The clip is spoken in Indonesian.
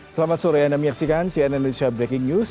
selamat sore anda menyaksikan cnn indonesia breaking news